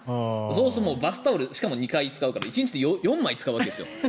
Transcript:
そもそもバスタオルしかも２回使うから１日で４枚使うわけですよ。